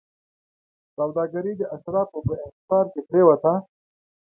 سوداګري د اشرافو په انحصار کې پرېوته.